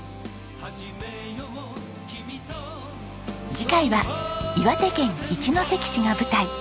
次回は岩手県一関市が舞台。